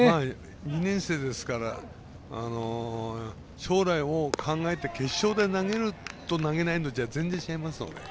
２年生ですから将来を考えて、決勝で投げると投げないのじゃ全然、違いますので。